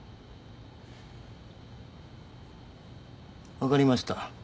分かりました。